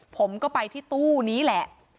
ผมก็ไปที่ตู้นี้แหละ